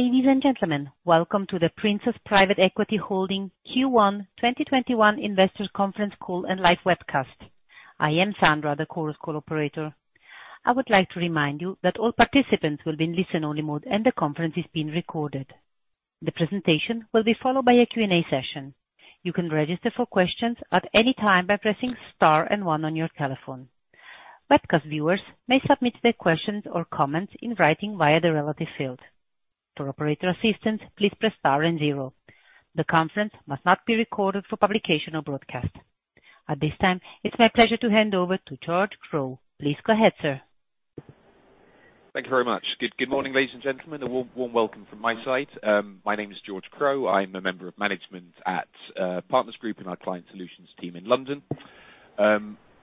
Ladies and gentlemen, welcome to the Princess Private Equity Holding Q1 2021 investors conference call and live webcast. I am Sandra, the Chorus Call operator. I would like to remind you that all participants will be in listen-only mode and the conference is being recorded. The presentation will be followed by a Q&A session. You can register for questions at any time by pressing star and one on your telephone. Webcast viewers may submit their questions or comments in writing via the relevant field. For operator assistance, please press star and zero. The conference must not be recorded for publication or broadcast. At this time, it's my pleasure to hand over to George Crowe. Please go ahead, sir. Thank you very much. Good morning, ladies and gentlemen. A warm welcome from my side. My name is George Crowe. I'm a member of management at Partners Group in our Client Solution team in London.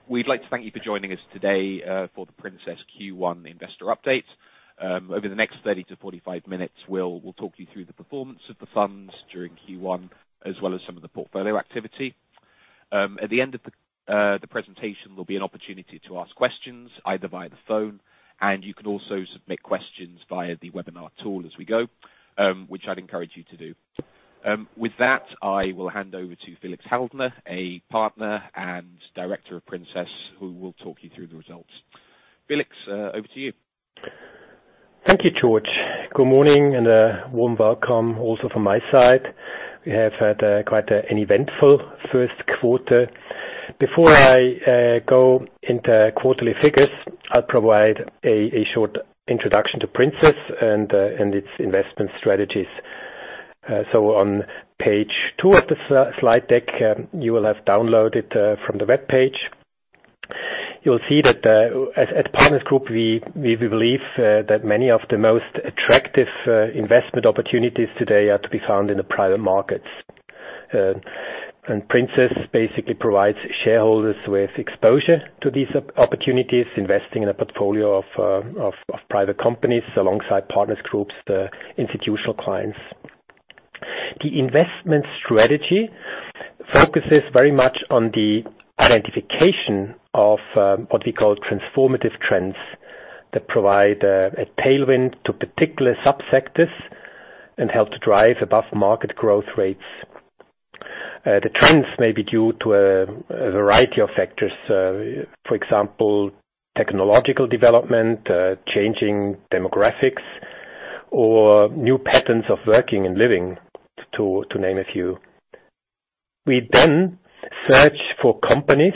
We'd like to thank you for joining us today for the Princess Q1 investor update. Over the next 30-45 minutes, we'll talk you through the performance of the funds during Q1, as well as some of the portfolio activity. At the end of the presentation, there'll be an opportunity to ask questions, either via the phone. You can also submit questions via the webinar tool as we go, which I'd encourage you to do. With that, I will hand over to Philipp Haldimann, a Partner and Director of Princess, who will talk you through the results. Philipp, over to you. Thank you, George. Good morning, and a warm welcome also from my side. We have had quite an eventful first quarter. Before I go into quarterly figures, I will provide a short introduction to Princess and its investment strategies. On page two of the slide deck you will have downloaded from the webpage, you will see that at Partners Group, we believe that many of the most attractive investment opportunities today are to be found in the private markets. Princess basically provides shareholders with exposure to these opportunities, investing in a portfolio of private companies alongside Partners Group’s institutional clients. The investment strategy focuses very much on the identification of what we call transformative trends that provide a tailwind to particular sub-sectors and help to drive above-market growth rates. The trends may be due to a variety of factors, for example, technological development, changing demographics, or new patterns of working and living, to name a few. We search for companies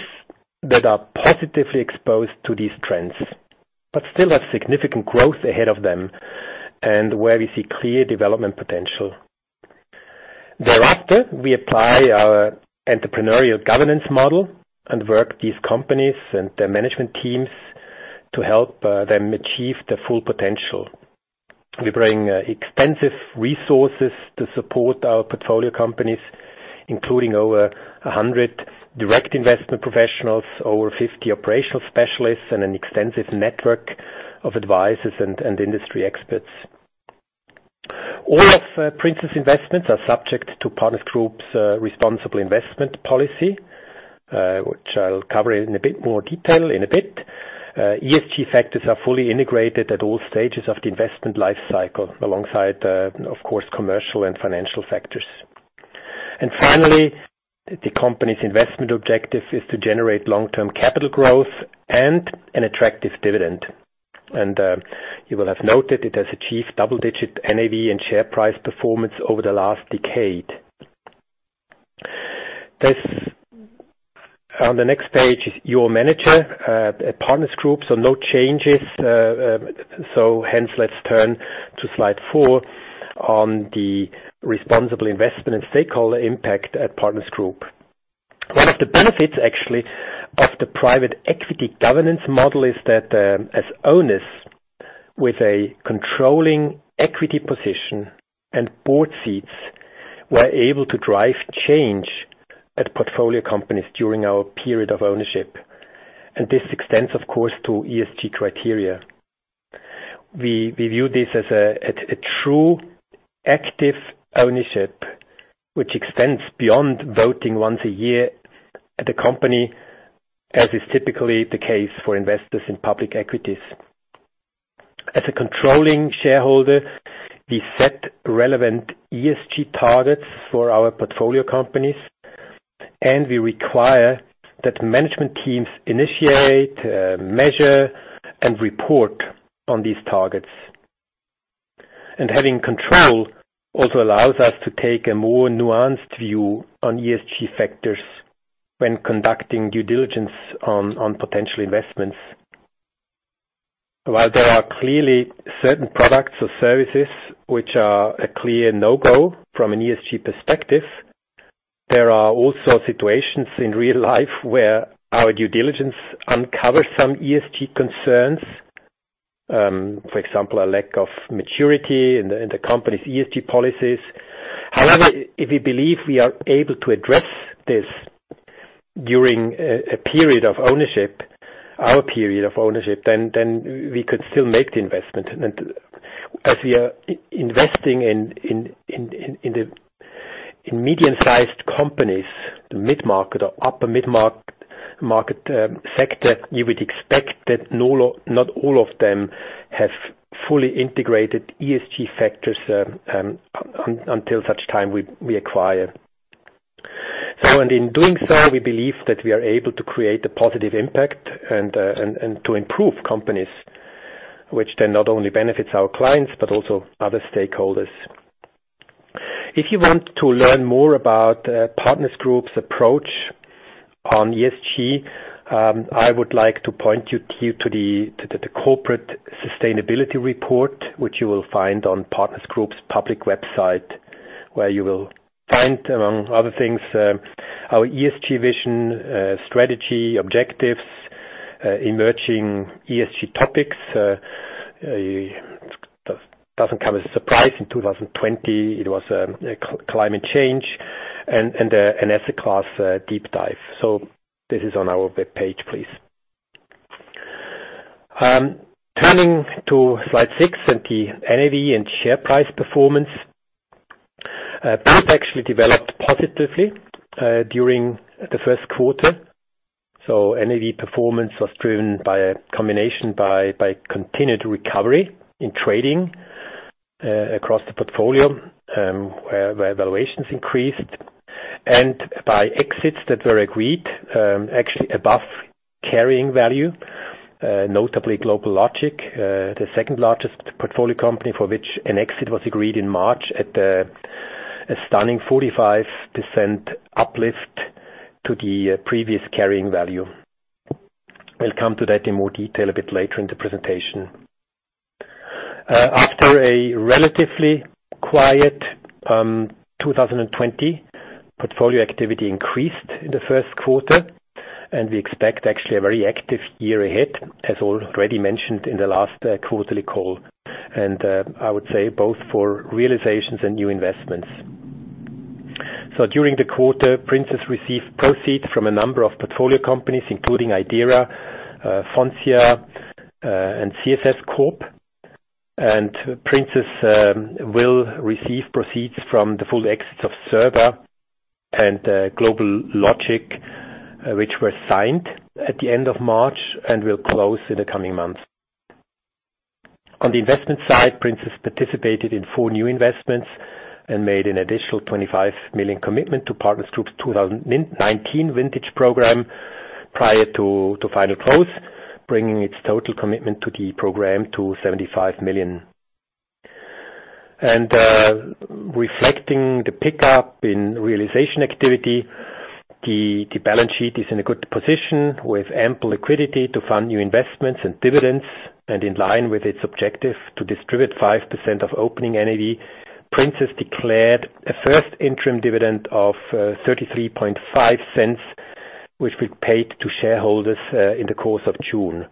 that are positively exposed to these trends, but still have significant growth ahead of them, and where we see clear development potential. Thereafter, we apply our entrepreneurial governance model and work with these companies and their management teams to help them achieve their full potential. We bring extensive resources to support our portfolio companies, including over 100 direct investment professionals, over 50 operational specialists, and an extensive network of advisors and industry experts. All of Princess' investments are subject to Partners Group's responsible investment policy, which I'll cover in a bit more detail in a bit. ESG factors are fully integrated at all stages of the investment life cycle, alongside, of course, commercial and financial factors. Finally, the company's investment objective is to generate long-term capital growth and an attractive dividend. You will have noted it has achieved double-digit NAV and share price performance over the last decade. On the next page is your manager at Partners Group. No changes, let's turn to slide four on the responsible investment and stakeholder impact at Partners Group. One of the benefits actually of the private equity governance model is that as owners with a controlling equity position and board seats, we're able to drive change at portfolio companies during our period of ownership, and this extends, of course, to ESG criteria. We view this as a true active ownership, which extends beyond voting once a year at the company, as is typically the case for investors in public equities. As a controlling shareholder, we set relevant ESG targets for our portfolio companies. We require that management teams initiate, measure, and report on these targets. Having control also allows us to take a more nuanced view on ESG factors when conducting due diligence on potential investments. While there are clearly certain products or services which are a clear no-go from an ESG perspective, there are also situations in real life where our due diligence uncovers some ESG concerns, for example, a lack of maturity in the company's ESG policies. However, if we believe we are able to address this during our period of ownership, then we can still make the investment. As we are investing in the medium-sized companies, the mid-market or upper mid-market sector, you would expect that not all of them have fully integrated ESG factors until such time we acquire. In doing so, we believe that we are able to create a positive impact and to improve companies, which then not only benefits our clients but also other stakeholders. If you want to learn more about Partners Group's approach on ESG, I would like to point you to the corporate sustainability report, which you will find on Partners Group's public website, where you will find, among other things, our ESG vision, strategy, objectives, emerging ESG topics. It doesn't come as a surprise in 2020 it was climate change, and an asset class deep dive. This is on our webpage, please. Turning to slide six on the NAV and share price performance. Price actually developed positively during the first quarter. NAV performance was driven by a combination by continued recovery in trading across the portfolio, where valuations increased, and by exits that were agreed actually above carrying value, notably GlobalLogic, the second-largest portfolio company for which an exit was agreed in March at a stunning 45% uplift to the previous carrying value. We'll come to that in more detail a bit later in the presentation. After a relatively quiet 2020, portfolio activity increased in the first quarter, and we expect actually a very active year ahead, as already mentioned in the last quarterly call, and I would say both for realizations and new investments. During the quarter, Princess received proceeds from a number of portfolio companies, including Idera, Foncia, and CSS Corp. Princess will receive proceeds from the full exits of Cerba HealthCare and GlobalLogic, which were signed at the end of March and will close in the coming months. On the investment side, Princess participated in four new investments and made an additional 25 million commitment to Partners Group's 2019 vintage program prior to final close, bringing its total commitment to the program to 75 million. Reflecting the pickup in realization activity, the balance sheet is in a good position, with ample liquidity to fund new investments and dividends. In line with its objective to distribute 5% of opening NAV, Princess declared a first interim dividend of 0.335, which we paid to shareholders in the course of June.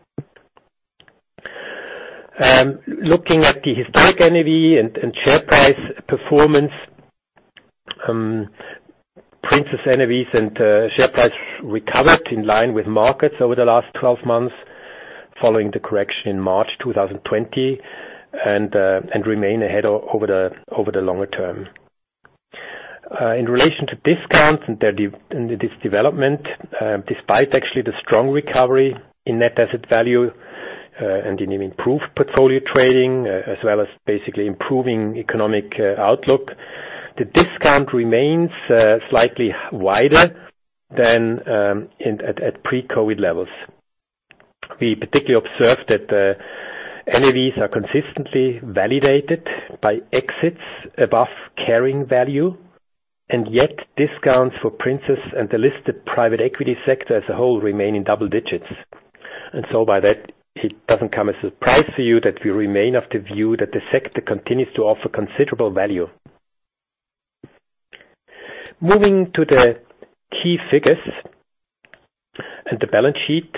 Looking at the historic NAV and share price performance, Princess NAVs and share price recovered in line with markets over the last 12 months, following the correction in March 2020 and remain ahead over the longer term. In relation to discounts and this development, despite actually the strong recovery in net asset value and an improved portfolio trading, as well as basically improving economic outlook, the discount remains slightly wider than at pre-COVID levels. We particularly observed that the NAVs are consistently validated by exits above carrying value, yet discounts for Princess and the listed private equity sector as a whole remain in double digits. By that, it doesn't come as a surprise to you that we remain of the view that the sector continues to offer considerable value. Moving to the key figures and the balance sheet.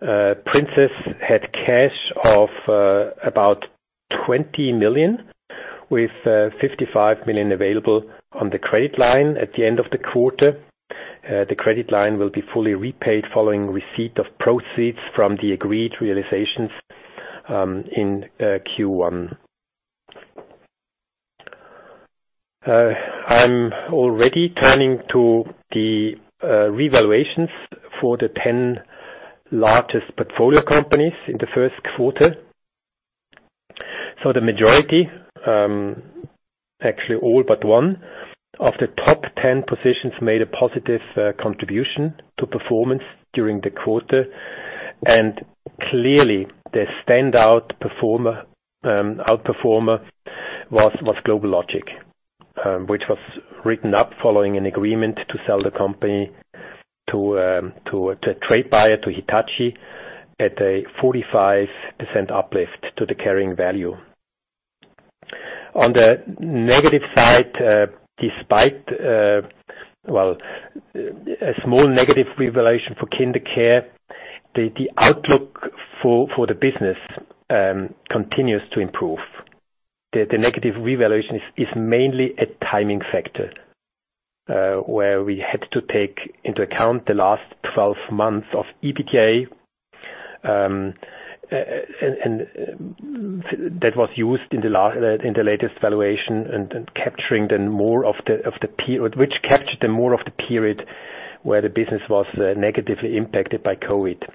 Princess had cash of about 20 million, with 55 million available on the credit line at the end of the quarter. The credit line will be fully repaid following receipt of proceeds from the agreed realizations in Q1. I'm already turning to the revaluations for the 10 largest portfolio companies in the first quarter. The majority, actually all but one, of the top 10 positions made a positive contribution to performance during the quarter, and clearly the standout outperformer was GlobalLogic, which was written up following an agreement to sell the company to the trade buyer, to Hitachi, at a 45% uplift to the carrying value. On the negative side, despite a small negative revaluation for KinderCare, the outlook for the business continues to improve. The negative revaluation is mainly a timing factor, where we had to take into account the last 12 months of EBITDA. That was used in the latest valuation, which captured more of the period where the business was negatively impacted by COVID.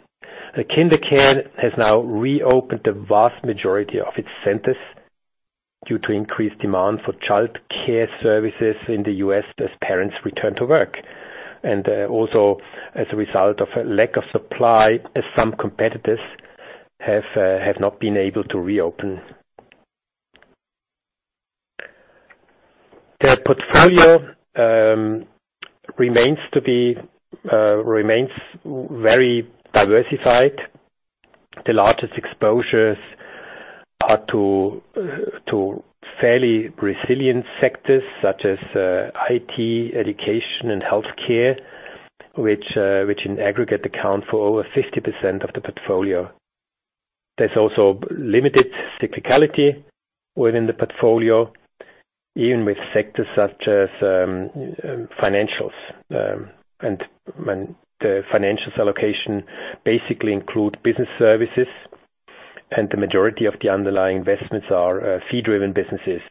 KinderCare has now reopened the vast majority of its centers due to increased demand for childcare services in the U.S. as parents return to work, and also as a result of a lack of supply as some competitors have not been able to reopen. Their portfolio remains very diversified. The largest exposures are to fairly resilient sectors such as IT, education, and healthcare, which in aggregate account for over 60% of the portfolio. There's also limited cyclicality within the portfolio, even with sectors such as financials. The financials allocation basically includes business services, and the majority of the underlying investments are fee-driven businesses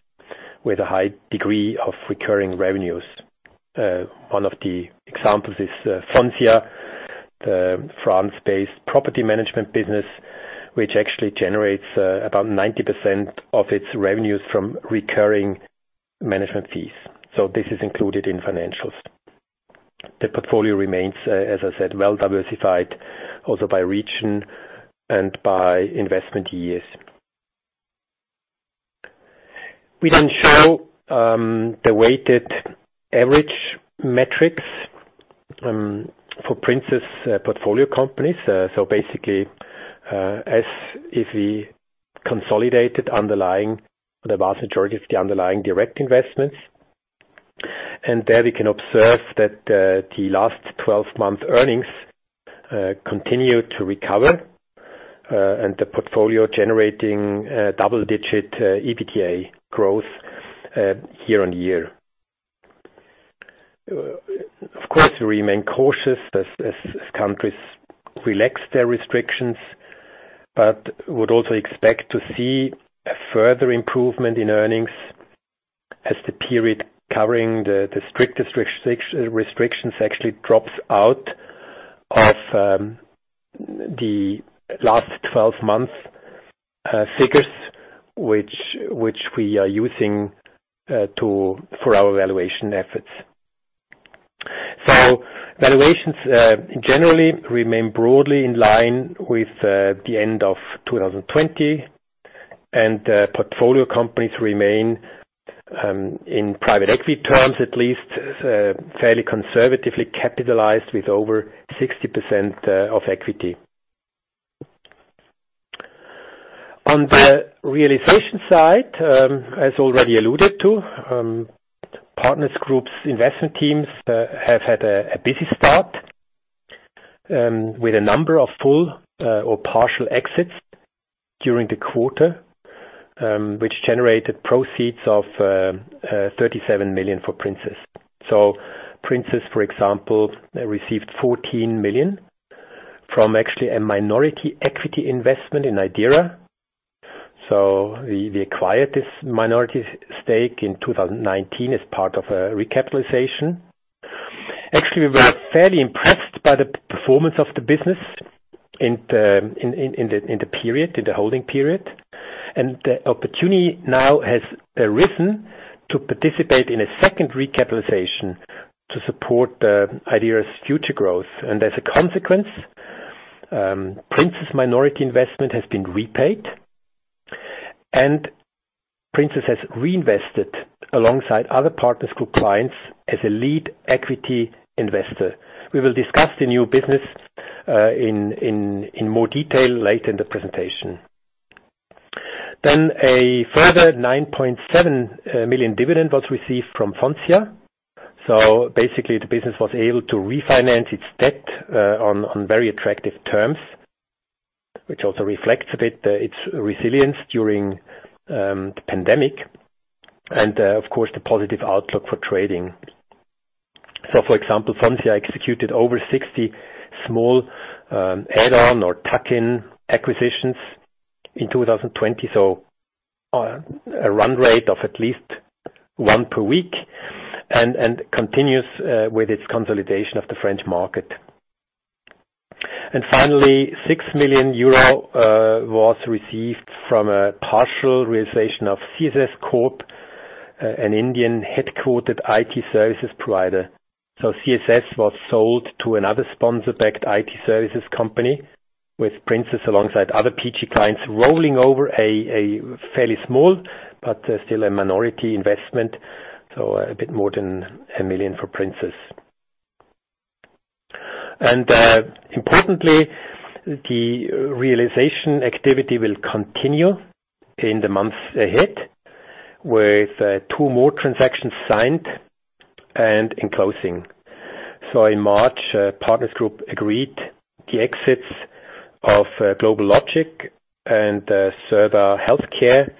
with a high degree of recurring revenues. One of the examples is Foncia, a France-based property management business, which actually generates about 90% of its revenues from recurring management fees. This is included in financials. The portfolio remains, as I said, well-diversified, also by region and by investment years. We show the weighted average metrics for Princess' portfolio companies, basically, as we consolidated the vast majority of the underlying direct investments. There we can observe that the last 12 months' earnings continue to recover, and the portfolio generating double-digit EBITDA growth year-on-year. We remain cautious as countries relax their restrictions, we'd also expect to see a further improvement in earnings as the period covering the strictest restrictions actually drops out of the last 12 months figures, which we are using for our valuation efforts. Valuations generally remain broadly in line with the end of 2020, and portfolio companies remain, in private equity terms at least, fairly conservatively capitalized with over 60% of equity. On the realization side, as already alluded to, Partners Group's investment teams have had a busy start, with a number of full or partial exits during the quarter, which generated proceeds of 37 million for Princess. Princess, for example, received 14 million from actually a minority equity investment in Idera, Inc. We acquired this minority stake in 2019 as part of a recapitalization. Actually, we were fairly impressed by the performance of the business in the holding period. The opportunity now has arisen to participate in a second recapitalization to support Idera's future growth. As a consequence, Princess minority investment has been repaid and Princess has reinvested alongside other Partners Group clients as a lead equity investor. We will discuss the new business in more detail later in the presentation. A further 9.7 million dividend was received from Foncia. Basically, the business was able to refinance its debt on very attractive terms, which also reflects a bit its resilience during the pandemic and, of course, the positive outlook for trading. For example, Foncia executed over 60 small add-on or tuck-in acquisitions in 2020, so a run rate of at least one per week, and continues with its consolidation of the French market. Finally, 6 million euro was received from a partial realization of CSS Corp, an Indian headquartered IT services provider. CSS was sold to another sponsor-backed IT services company, with Princess alongside other PG clients rolling over a fairly small but still a minority investment, a bit more than 1 million for Princess. Importantly, the realization activity will continue in the months ahead with two more transactions signed and in closing. In March, Partners Group agreed the exits of GlobalLogic and Cerba HealthCare,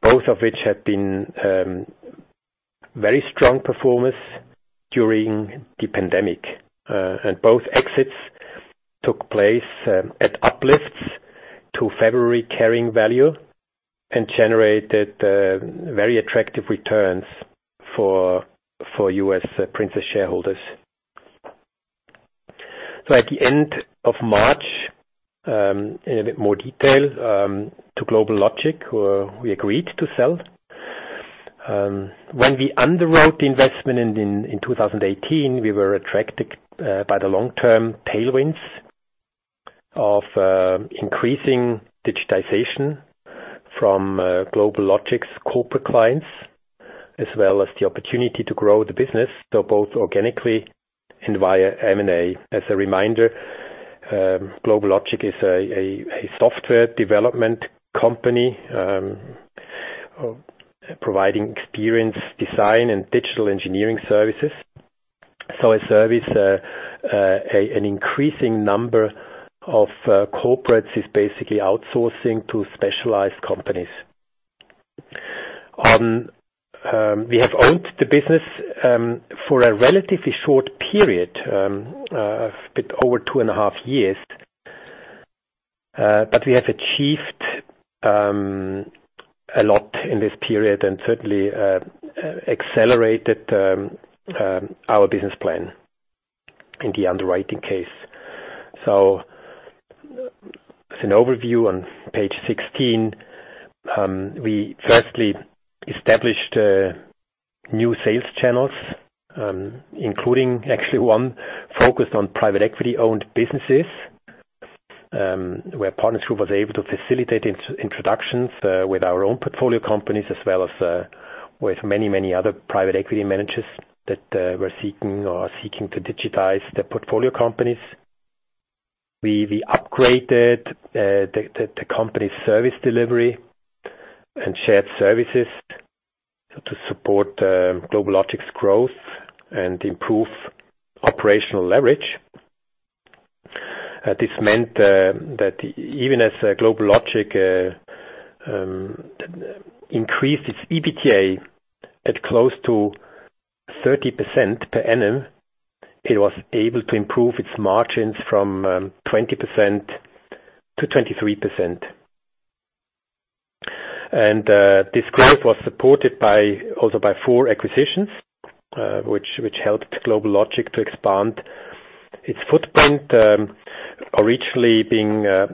both of which have been very strong performance during the pandemic. Both exits took place at uplifts to February carrying value and generated very attractive returns for us Princess shareholders. At the end of March, in a bit more detail, to GlobalLogic, we agreed to sell. When we underwrote the investment in 2018, we were attracted by the long-term tailwinds of increasing digitization from GlobalLogic's corporate clients, as well as the opportunity to grow the business, so both organically and via M&A. As a reminder, GlobalLogic is a software development company providing experience, design, and digital engineering services. A service an increasing number of corporates is basically outsourcing to specialized companies. We have owned the business for a relatively short period, a bit over 2.5 years, but we have achieved a lot in this period and certainly accelerated our business plan and the underwriting case. As an overview on page 16, we firstly established new sales channels, including actually one focused on private equity-owned businesses, where Partners Group was able to facilitate introductions with our own portfolio companies as well as with many other private equity managers that were seeking or are seeking to digitize their portfolio companies. We upgraded the company's service delivery and shared services to support GlobalLogic's growth and improve operational leverage. This meant that even as GlobalLogic increased its EBITDA at close to 30% per annum, it was able to improve its margins from 20%-23%. This growth was supported also by four acquisitions which helped GlobalLogic to expand its footprint. Originally being a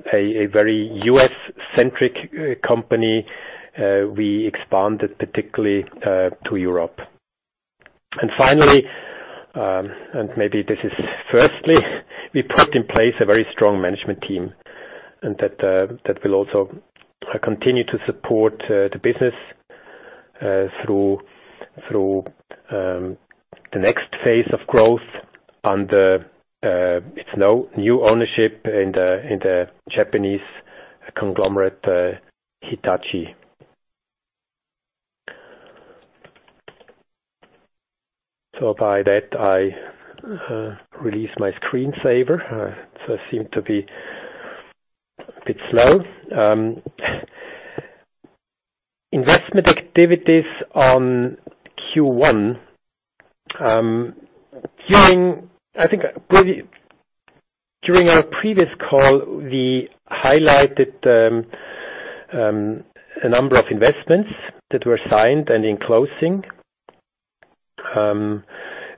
very U.S.-centric company, we expanded particularly to Europe. Finally, and maybe this is firstly, we put in place a very strong management team, and that will also continue to support the business through the next phase of growth under its new ownership in the Japanese conglomerate Hitachi. By that, I release my screen saver. I seem to be a bit slow. Investment activities on Q1. During our previous call, we highlighted the number of investments that were signed and in closing.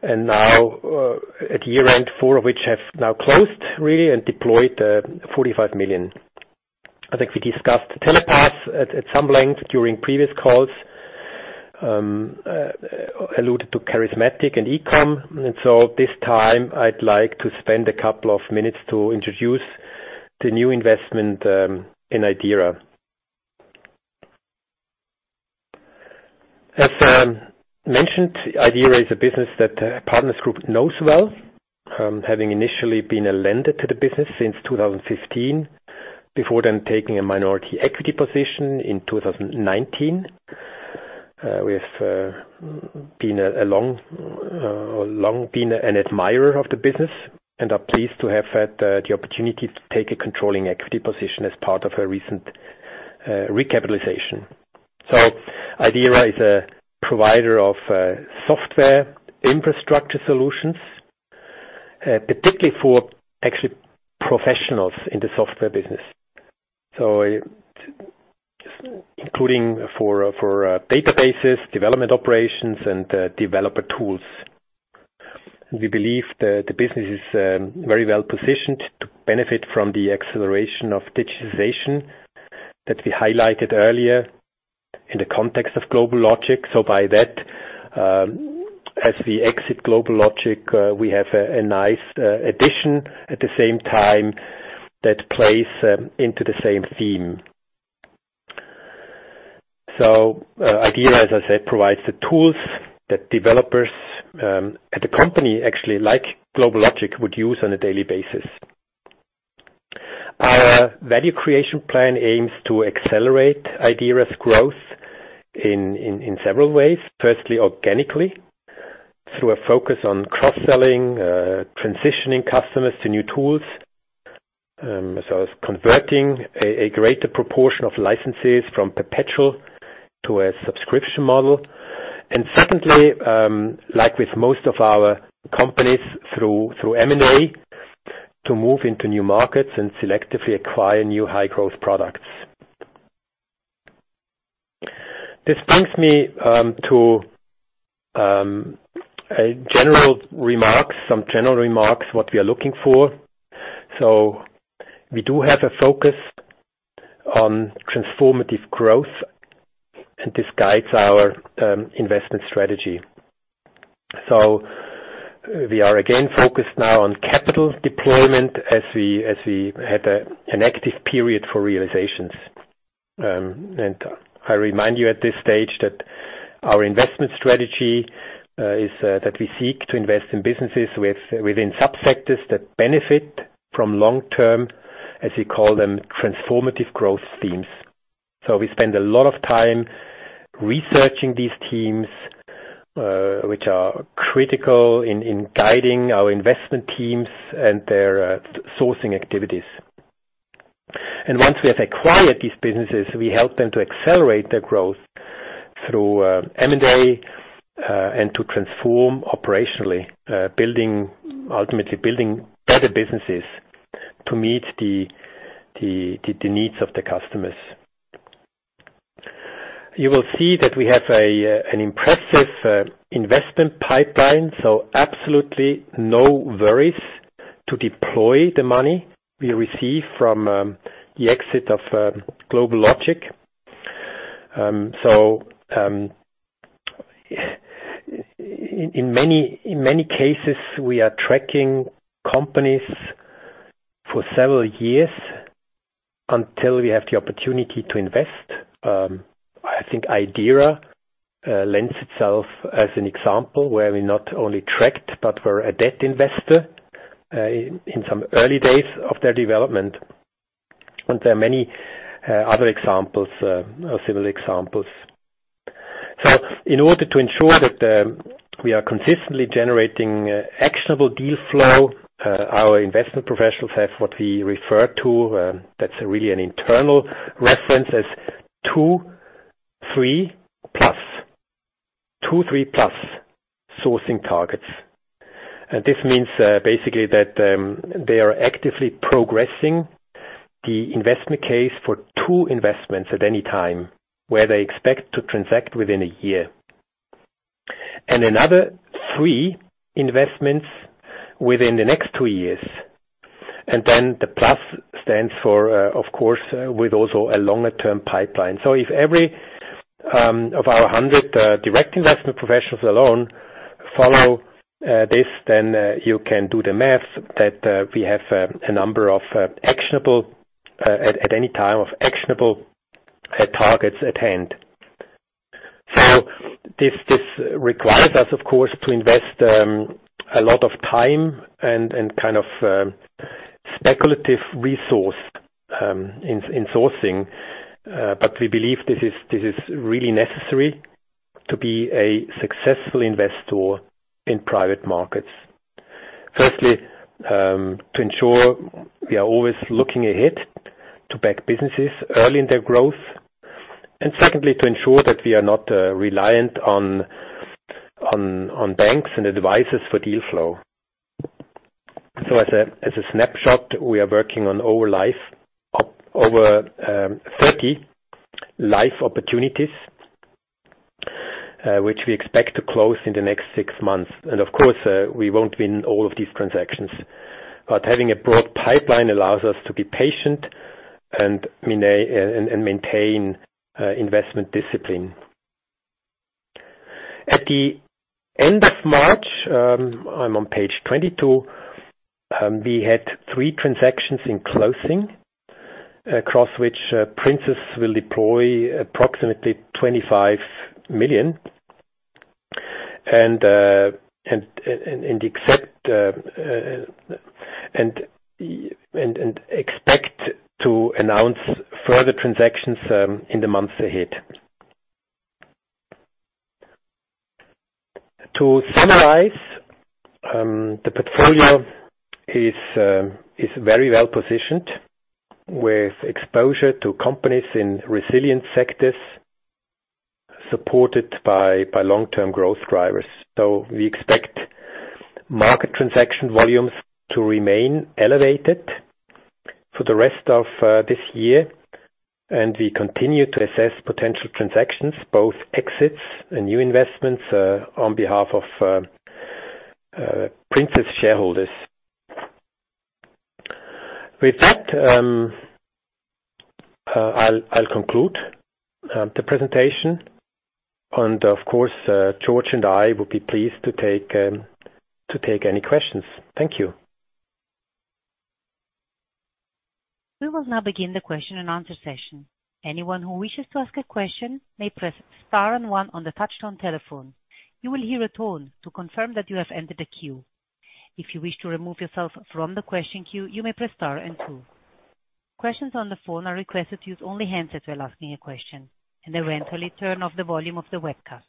Now at year-end, four of which have now closed really and deployed 45 million. I think we discussed Telepass at some length during previous calls, alluded to Charismatic and Ecom. At this time, I'd like to spend a couple of minutes to introduce the new investment in Idera, Inc. As mentioned, Idera is a business that Partners Group knows well, having initially been a lender to the business since 2015, before then taking a minority equity position in 2019. We've long been an admirer of the business and are pleased to have had the opportunity to take a controlling equity position as part of a recent recapitalization. Idera is a provider of software infrastructure solutions, particularly for actually professionals in the software business. Including for databases, development operations, and developer tools. We believe the business is very well positioned to benefit from the acceleration of digitization that we highlighted earlier in the context of GlobalLogic. By that, as we exit GlobalLogic, we have a nice addition at the same time that plays into the same theme. Idera, as I said, provides the tools that developers at a company actually like GlobalLogic would use on a daily basis. Our value creation plan aims to accelerate Idera's growth in several ways, firstly organically, through a focus on cross-selling, transitioning customers to new tools. It's converting a greater proportion of licenses from perpetual to a subscription model. Secondly, like with most of our companies through M&A, to move into new markets and selectively acquire new high-growth products. This brings me to some general remarks, what we are looking for. We do have a focus on transformative growth, and this guides our investment strategy. We are again focused now on capital deployment as we had an active period for realizations. I remind you at this stage that our investment strategy is that we seek to invest in businesses within sub-sectors that benefit from long-term, as we call them, transformative growth themes. We spend a lot of time researching these themes, which are critical in guiding our investment teams and their sourcing activities. Once we have acquired these businesses, we help them to accelerate their growth through M&A and to transform operationally, ultimately building better businesses to meet the needs of the customers. You will see that we have an impressive investment pipeline, absolutely no worries to deploy the money we receive from the exit of GlobalLogic. In many cases, we are tracking companies for several years until we have the opportunity to invest. I think Idera lends itself as an example where we not only tracked, but were a debt investor in some early days of their development. There are many other similar examples. In order to ensure that we are consistently generating actionable deal flow, our investment professionals have what we refer to, that's really an internal reference, as 2, 3+ sourcing targets. This means basically that they are actively progressing the investment case for two investments at any time, where they expect to transact within a year. Another three investments within the next three years. The plus stands for, of course, with also a longer-term pipeline. If every of our 100 direct investment professionals alone follow this, then you can do the math that we have a number at any time of actionable targets at hand. This requires us, of course, to invest a lot of time and kind of speculative resource in sourcing. We believe this is really necessary to be a successful investor in private markets. Firstly, to ensure we are always looking ahead to back businesses early in their growth, and secondly, to ensure that we are not reliant on banks and advisors for deal flow. As a snapshot, we are working on over 30 live opportunities, which we expect to close in the next six months. Of course, we won't win all of these transactions, but having a broad pipeline allows us to be patient and maintain investment discipline. At the end of March, I'm on page 22, we had three transactions in closing, across which Princess will deploy approximately 25 million, and expect to announce further transactions in the months ahead. To summarize, the portfolio is very well-positioned with exposure to companies in resilient sectors supported by long-term growth drivers. We expect market transaction volumes to remain elevated for the rest of this year, and we continue to assess potential transactions, both exits and new investments, on behalf of Princess shareholders. With that, I'll conclude the presentation, and of course, George and I will be pleased to take any questions. Thank you. We will now begin the question and answer session. Anyone who wishes to ask a question may press star and one on the touchtone telephone. You will hear a tone to confirm that you have entered a queue. If you wish to remove yourself from the question queue, you may press star and two. Questions on the phone are requested to use only hand raised when asking a question, and eventually turn off the volume of the webcast.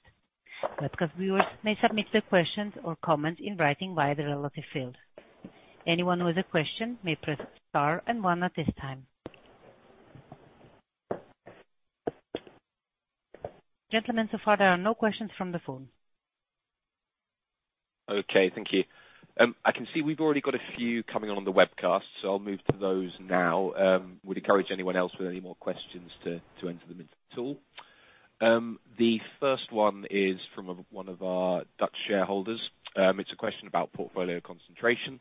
That's because we may submit the questions or comments in writing via the relevant fields. Anyone with a question may press star and one at this time. Gentlemen, so far there are no questions from the phone. Okay, thank you. I can see we've already got a few coming on the webcast, so I'll move to those now. We'd encourage anyone else with any more questions to enter them into the tool. The first one is from one of our Dutch shareholders. It's a question about portfolio concentration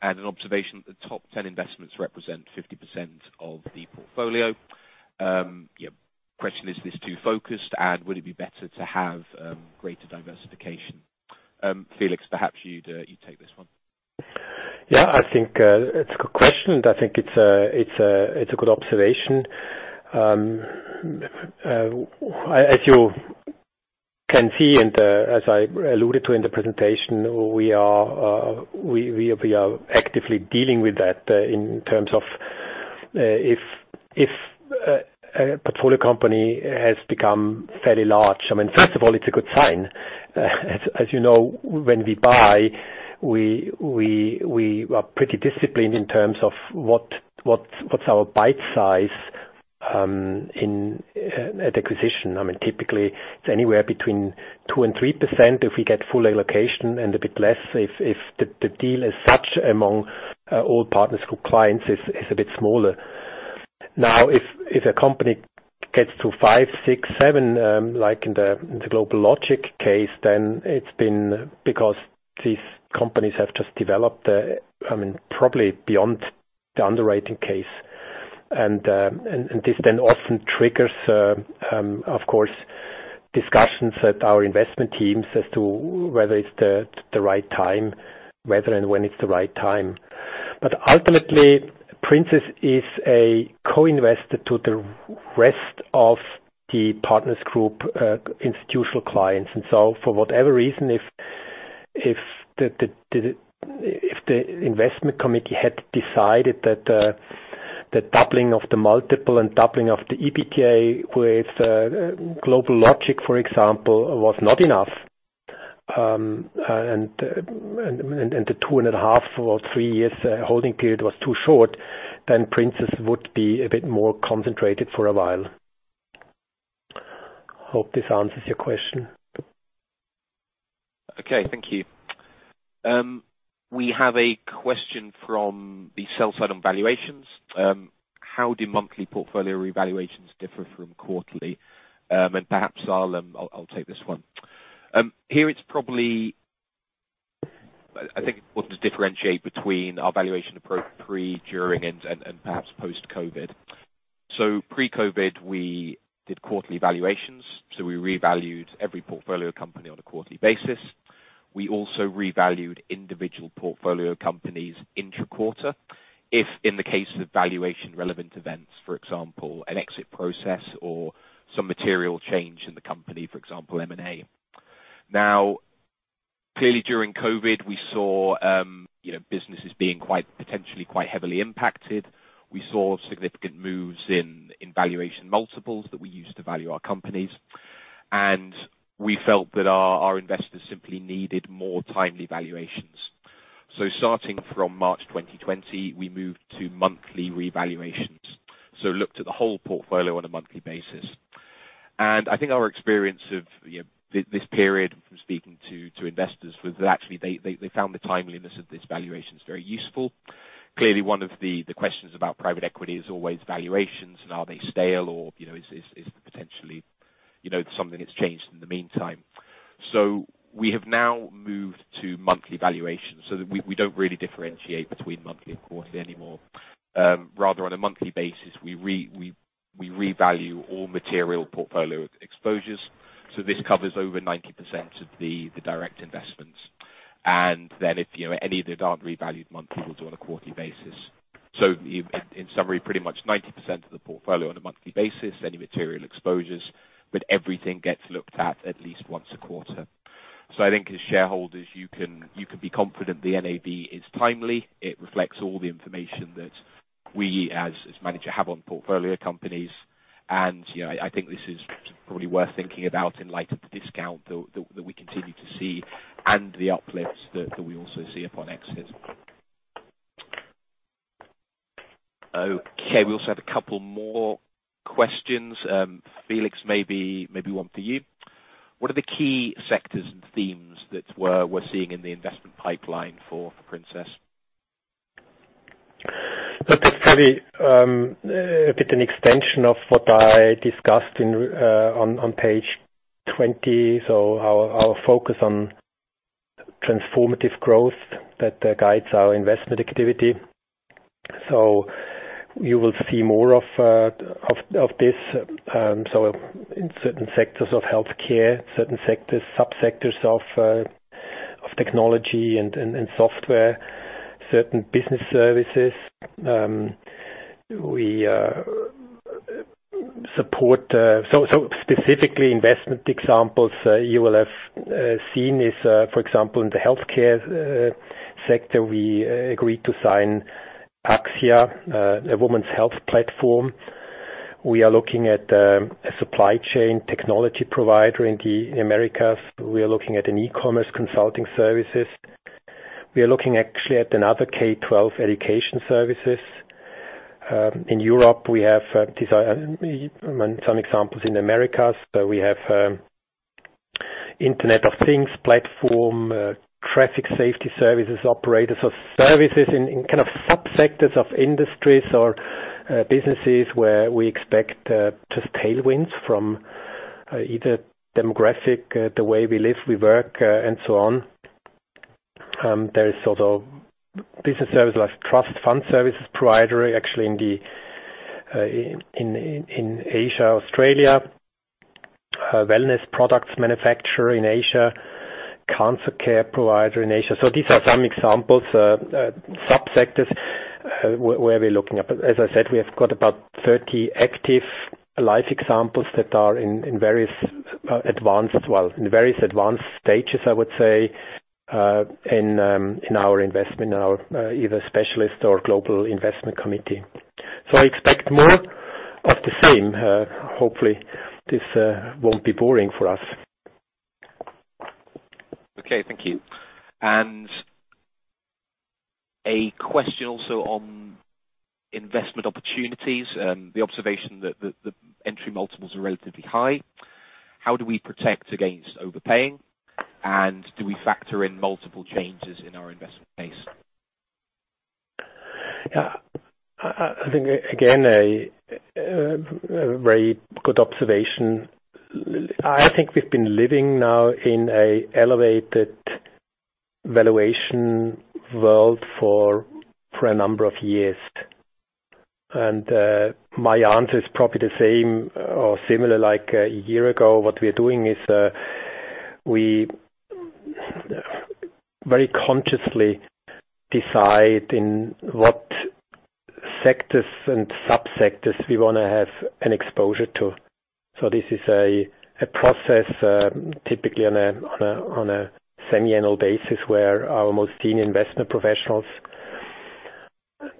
and an observation that the top 10 investments represent 50% of the portfolio. The question is this too focused, and would it be better to have greater diversification? Philipp, perhaps you take this one. Yeah, I think it's a good question, and I think it's a good observation. As you can see, and as I alluded to in the presentation, we are actively dealing with that in terms of if a portfolio company has become fairly large. First of all, it's a good sign. As you know, when we buy, we are pretty disciplined in terms of what's our bite size in acquisition. Typically, it's anywhere between 2% and 3% if we get full allocation, and a bit less if the deal as such among all partners or clients is a bit smaller. If a company gets to five, six, seven, like in the GlobalLogic case, then it's been because these companies have just developed, probably beyond the underwriting case. This then often triggers, of course, discussions at our investment teams as to whether and when it's the right time. Ultimately, Princess is a co-investor to the rest of the Partners Group institutional clients. For whatever reason, if the investment committee had decided that the doubling of the multiple and doubling of the EBITDA with GlobalLogic, for example, was not enough, and the 2.5 or three years holding period was too short, then Princess would be a bit more concentrated for a while. Hope this answers your question. Okay, thank you. We have a question from the sell-side on valuations. How do monthly portfolio revaluations differ from quarterly? Perhaps I'll take this one. Here it's probably, I think we want to differentiate between our valuation approach pre, during, and perhaps post-COVID. Pre-COVID, we did quarterly valuations, so we revalued every portfolio company on a quarterly basis. We also revalued individual portfolio companies intra-quarter. If in the case of valuation-relevant events, for example, an exit process or some material change in the company, for example, M&A. Clearly during COVID, we saw businesses being potentially quite heavily impacted. We saw significant moves in valuation multiples that we use to value our companies, and we felt that our investors simply needed more timely valuations. Starting from March 2020, we moved to monthly revaluations, so looked at the whole portfolio on a monthly basis. I think our experience of this period from speaking to investors was that actually they found the timeliness of these valuations very useful. Clearly, one of the questions about private equity is always valuations and are they stale or is potentially something that's changed in the meantime. We have now moved to monthly valuations, so we don't really differentiate between monthly and quarterly anymore. Rather on a monthly basis, we revalue all material portfolio exposures. This covers over 90% of the direct investments. Then if any of them aren't revalued monthly, it's on a quarterly basis. In summary, pretty much 90% of the portfolio on a monthly basis, any material exposures, but everything gets looked at at least once a quarter. I think as shareholders, you can be confident the NAV is timely. It reflects all the information that we as a manager have on portfolio companies. I think this is probably worth thinking about in light of the discount that we continue to see and the uplifts that we also see upon exit. Okay, we also have a couple more questions. Philipp, maybe one for you. What are the key sectors and themes that we're seeing in the investment pipeline for Princess? That's probably a bit an extension of what I discussed on page 20. I'll focus on transformative growth that guides our investment activity. You will see more of this in certain sectors of healthcare, certain sub-sectors of technology and software, certain business services. Specifically investment examples you will have seen is, for example, in the healthcare sector, we agreed to sign Axia, a women's health platform. We are looking at a supply chain technology provider in the Americas. We are looking at an e-commerce consulting services. We are looking actually at another K12 education services. In Europe, we have some examples in Americas. We have Internet of Things platform, traffic safety services operators or services in kind of subsectors of industries or businesses where we expect just tailwinds from either demographic, the way we live, we work, and so on. There is sort of business services like trust fund services provider actually in Asia, Australia, wellness products manufacturer in Asia, cancer care provider in Asia. These are some examples of subsectors where we're looking. As I said, we have got about 30 active life examples that are in various advanced stages, I would say, in our investment, in our either specialist or global investment committee. I expect more of the same. Hopefully, this won't be boring for us. Okay. Thank you. A question also on investment opportunities, the observation that the entry multiples are relatively high. How do we protect against overpaying? Do we factor in multiple changes in our investment pace? Yeah. I think, again, a very good observation. I think we've been living now in an elevated valuation world for a number of years. My answer is probably the same or similar like a year ago. What we're doing is we very consciously decide in what sectors and subsectors we want to have an exposure to. This is a process, typically on a semiannual basis, where our most senior investment professionals,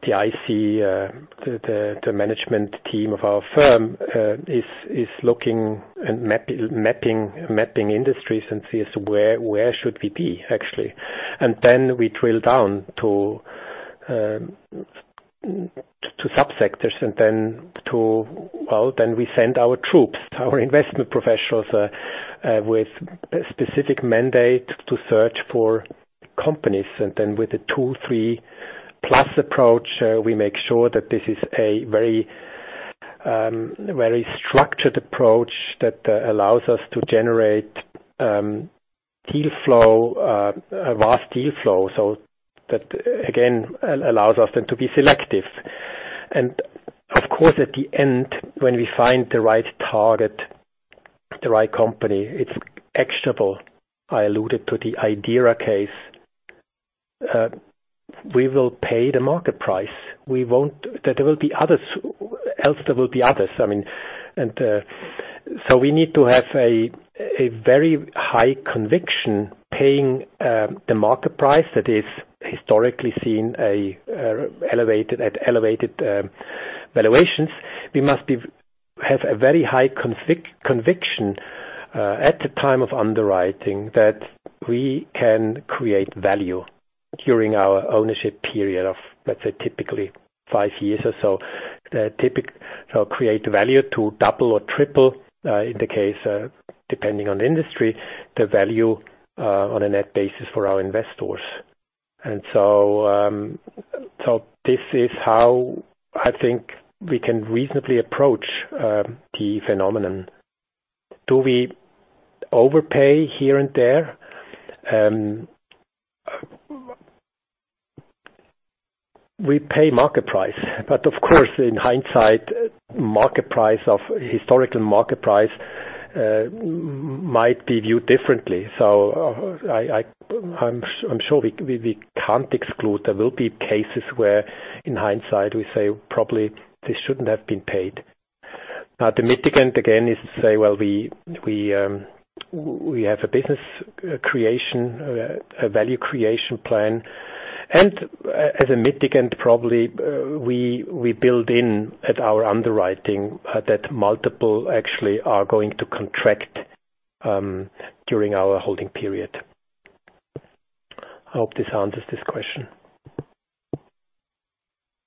the IC, the management team of our firm is looking and mapping industries and sees where should we be, actually. Then we drill down to subsectors. Well, we send our troops, our investment professionals with specific mandate to search for companies. Then with the two, three plus approach, we make sure that this is a very structured approach that allows us to generate a vast deal flow. That, again, allows us then to be selective. Of course, at the end, when we find the right target, the right company, it's actionable. I alluded to the Idera case. We will pay the market price. Else there will be others. We need to have a very high conviction paying the market price that is historically seen at elevated valuations. We must have a very high conviction at the time of underwriting that we can create value during our ownership period of, let's say, typically five years or so. Create value to double or triple in the case, depending on the industry, the value on a net basis for our investors. This is how I think we can reasonably approach the phenomenon. Do we overpay here and there? We pay market price. Of course, in hindsight, historical market price might be viewed differently. I'm sure we can't exclude there will be cases where in hindsight we say probably this shouldn't have been paid. Now, the mitigant, again, is to say, well, we have a business creation, a value creation plan. As a mitigant, probably we build in at our underwriting that multiple actually are going to contract during our holding period. I hope this answers this question.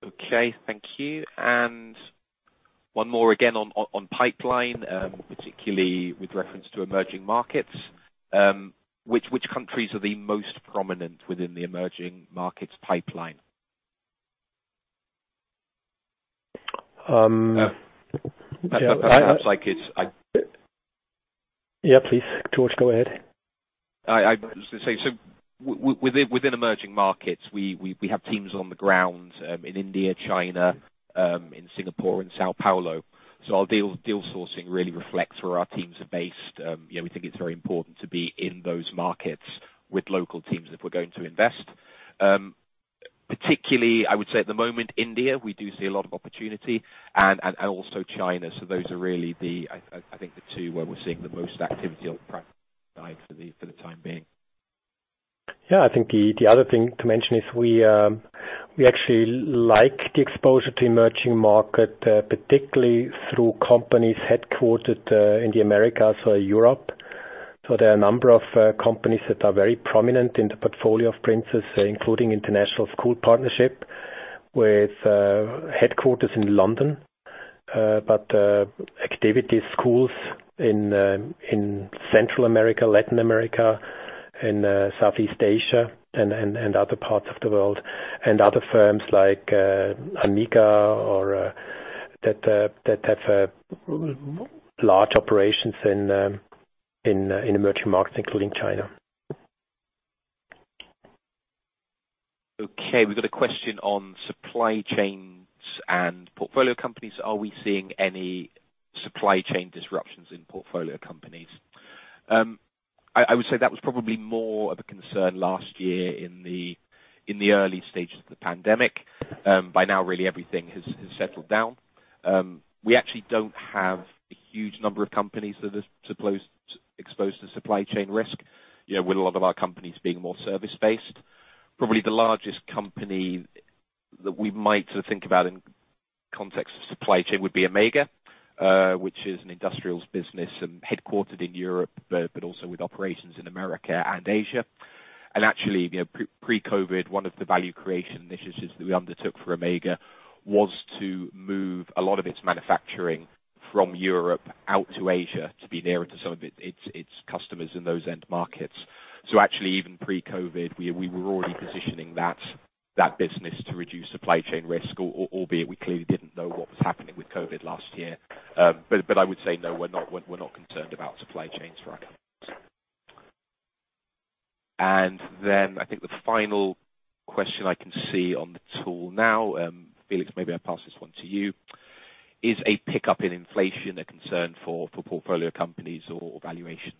Okay. Thank you. One more again on pipeline, particularly with reference to emerging markets. Which countries are the most prominent within the emerging markets pipeline? Yeah, please, George, go ahead. I was going to say, within emerging markets, we have teams on the ground in India, China, in Singapore, and São Paulo. Our deal sourcing really reflects where our teams are based. We think it's very important to be in those markets with local teams if we're going to invest. Particularly, I would say at the moment, India, we do see a lot of opportunity and also China. Those are really the, I think, the two where we're seeing the most activity on the private side for the time being. Yeah, I think the other thing to mention is we actually like the exposure to emerging markets, particularly through companies headquartered in the Americas or Europe. There are a number of companies that are very prominent in the portfolio of Princess, including International Schools Partnership with headquarters in London, but activity schools in Central America, Latin America, in Southeast Asia, and other parts of the world. Other firms like AMMEGA that have large operations in emerging markets, including China. Okay, we've got a question on supply chains and portfolio companies. Are we seeing any supply chain disruptions in portfolio companies? I would say that was probably more of a concern last year in the early stages of the pandemic. By now, really everything has settled down. We actually don't have a huge number of companies that are exposed to supply chain risk, with a lot of our companies being more service-based. Probably the largest company that we might think about in context of supply chain would be AMMEGA, which is an industrials business and headquartered in Europe, but also with operations in America and Asia. Actually, pre-COVID, one of the value creation initiatives that we undertook for AMMEGA was to move a lot of its manufacturing from Europe out to Asia to be nearer to some of its customers in those end markets. Actually, even pre-COVID, we were already positioning that business to reduce supply chain risk, albeit we clearly didn't know what was happening with COVID last year. I would say no, we're not concerned about supply chains right now. I think the final question I can see on the tool now, and maybe I'll pass this one to you. Is a pickup in inflation a concern for portfolio companies or valuations?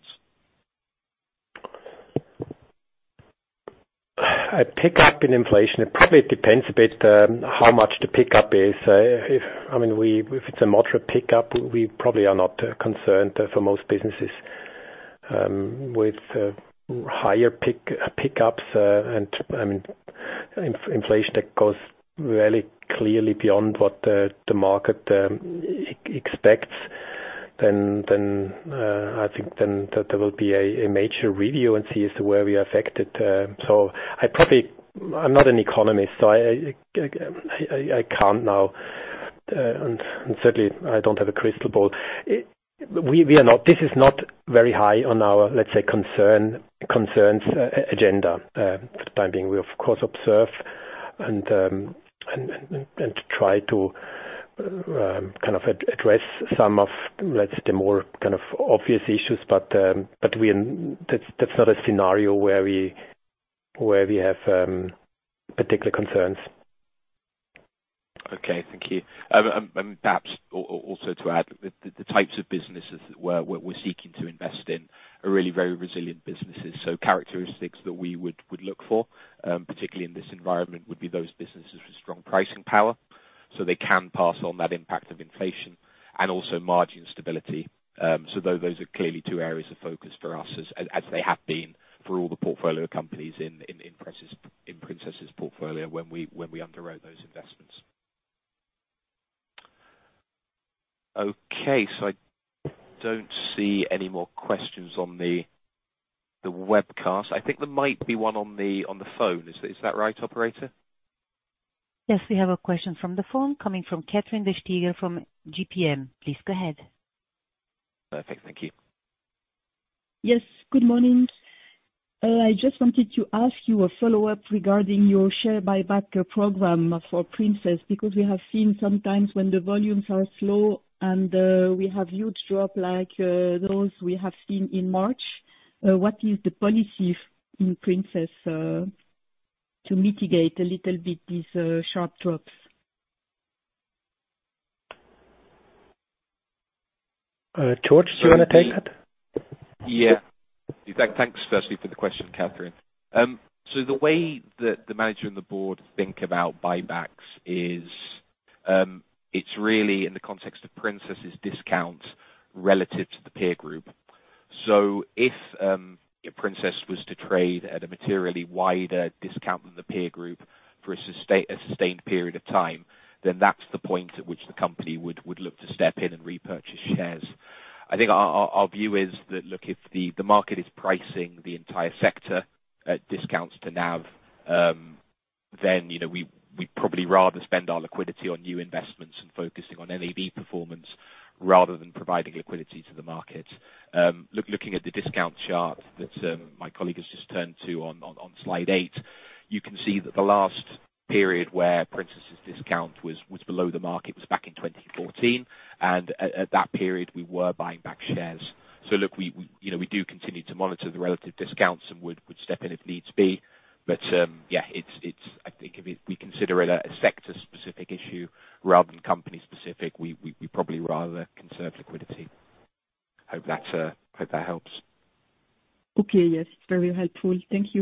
A pickup in inflation, it probably depends a bit how much the pickup is. If it's a moderate pickup, we probably are not concerned for most businesses. With higher pickups and inflation that goes really clearly beyond what the market expects, then I think there will be a major review and see where we're affected. I'm not an economist, so I can't know, and certainly, I don't have a crystal ball. This is not very high on our, let's say, concerns agenda. Despite we, of course, observe and try to address some of, let's say, the more kind of obvious issues, but that's not a scenario where we have particular concerns. Okay, thank you. Perhaps also to add, the types of businesses that we're seeking to invest in are really very resilient businesses. Characteristics that we would look for, particularly in this environment, would be those businesses with strong pricing power, so they can pass on that impact of inflation and also margin stability. Those are clearly two areas of focus for us, as they have been for all the portfolio companies in Princess's portfolio when we underwrote those investments. Okay, I don't see any more questions on the webcast. I think there might be one on the phone. Is that right, operator? Yes, we have a question from the phone coming from Catherine Destigny from GPM. Please go ahead. Perfect, thank you. Yes, good morning. I just wanted to ask you a follow-up regarding your share buyback program for Princess, because we have seen sometimes when the volumes are slow and we have huge drop like those we have seen in March. What is the policy in Princess to mitigate a little bit these sharp drops? George, do you want to take that? Yeah. Thanks firstly for the question, Catherine. The way that the manager and the board think about buybacks is it's really in the context of Princess's discount relative to the peer group. If Princess was to trade at a materially wider discount than the peer group for a sustained period of time, then that's the point at which the company would look to step in and repurchase shares. I think our view is that, look, if the market is pricing the entire sector at discounts to NAV, then we'd probably rather spend our liquidity on new investments and focusing on NAV performance rather than providing liquidity to the market. Looking at the discount chart that my colleague has just turned to on slide eight, you can see that the last period where Princess's discount was below the market was back in 2014. At that period we were buying back shares. Look, we do continue to monitor the relative discounts and would step in if needs be. Yeah, I think if we consider it a sector-specific issue rather than company-specific, we'd probably rather conserve liquidity. Hope that helps. Okay. Yes, very helpful. Thank you